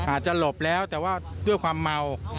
หลบแล้วแต่ว่าด้วยความเมา